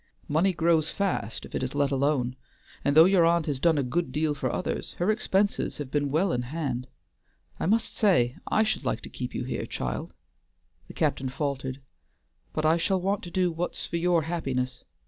Money grows fast if it is let alone; and though your aunt has done a good deal for others, her expenses have been well held in hand. I must say I should like to keep you here, child," the captain faltered, "but I shall want to do what's for your happiness.